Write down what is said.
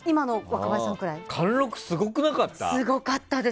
貫禄すごくなかった？